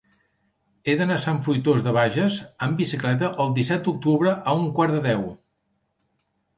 He d'anar a Sant Fruitós de Bages amb bicicleta el disset d'octubre a un quart de deu.